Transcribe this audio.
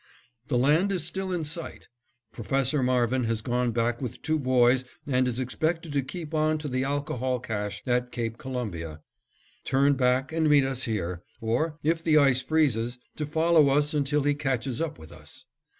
The land is still in sight. Professor Marvin has gone back with two boys and is expected to keep on to the alcohol cache at Cape Columbia, turn back and meet us here, or, if the ice freezes, to follow us until he catches up with us.